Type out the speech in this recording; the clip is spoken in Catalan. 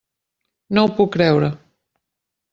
No ho puc creure.